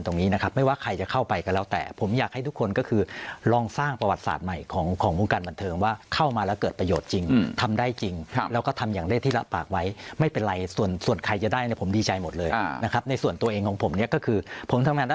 ในส่วนตัวเองของผมเนี่ยก็คือผมทำงานด้านจิตศาสตร์อยู่แล้ว